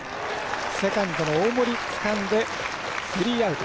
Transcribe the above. セカンドの大森、つかんでスリーアウト。